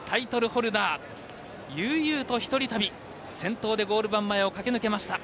ホルダー悠々と１人旅先頭でゴールバー前を駆け抜けました。